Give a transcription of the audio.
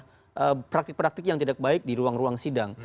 dan juga menjaga praktik praktik yang tidak baik di ruang ruang sidang